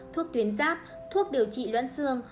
thuốc tuyến giáp thuốc điều trị loạn xương